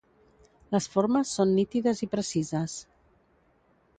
Les formes són nítides i precises.